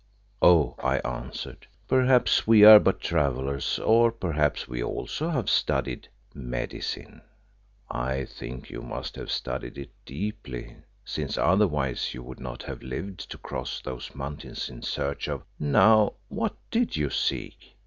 "Oh!" I answered, "perhaps we are but travellers, or perhaps we also have studied medicine." "I think that you must have studied it deeply, since otherwise you would not have lived to cross those mountains in search of now, what did you seek?